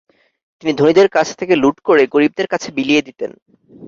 তিনি ধনীদের কাছ থেকে লুট করে গরিবদের কাছে বিলিয়ে দিতেন।